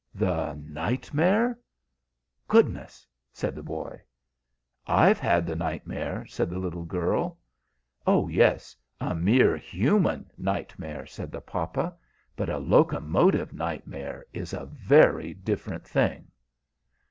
"The nightmare? Goodness!" said the boy. "I've had the nightmare," said the little girl. "Oh yes, a mere human nightmare," said the papa. "But a locomotive nightmare is a very different thing."